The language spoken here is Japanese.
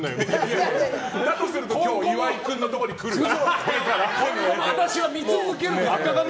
だとしたら今日岩井君のところに来るよ。